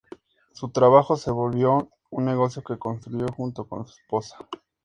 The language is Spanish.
Su trabajo se volvió un negocio que construyó junto con su esposa.